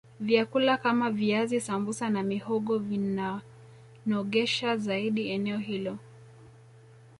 vyakula Kama viazi sambusa na mihogo vinanogesha zaidi eneo hilo